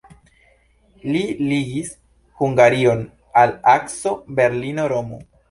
Li ligis Hungarion al akso Berlino-Romo.